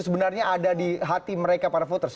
sebenarnya ada di hati mereka para voters